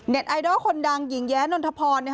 ไอดอลคนดังหญิงแย้นนทพร